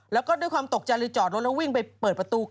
แล้วก็ด้วยความตกใจเลยจอดรถแล้ววิ่งไปเปิดประตู